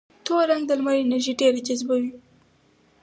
تور رنګ د لمر انرژي ډېره جذبه کوي.